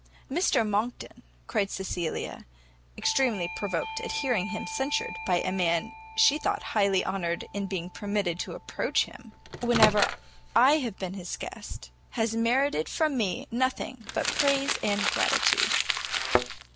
"Mr Monckton," cried Cecilia, extremely provoked at hearing him censured by a man she thought highly honoured in being permitted to approach him, "whenever I have been his guest, has merited from me nothing but praise and gratitude."